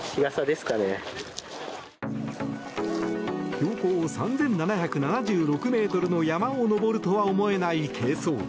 標高３７７６ｍの山を登るとは思えない軽装。